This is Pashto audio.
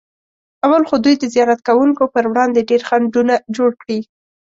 اول خو دوی د زیارت کوونکو پر وړاندې ډېر خنډونه جوړ کړي.